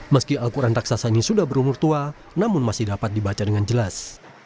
meski al quran raksasa ini sudah berumur tua namun masih dapat dibaca dengan jelas